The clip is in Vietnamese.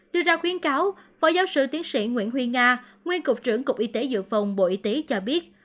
đưa ra khuyến cáo phó giáo sư tiến sĩ nguyễn huy nga nguyên cục trưởng cục y tế dự phòng bộ y tế cho biết